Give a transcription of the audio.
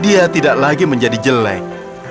dia tidak lagi menjadi jelek